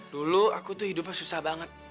dulu aku tuh hidupnya susah banget